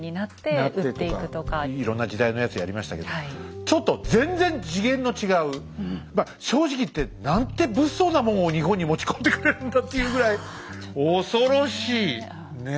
いろんな時代のやつやりましたけどちょっと正直言ってなんて物騒なもんを日本に持ち込んでくれるんだっていうぐらい恐ろしいねえ。